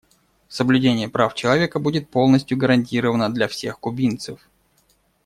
Соблюдение прав человека будет полностью гарантировано для всех кубинцев.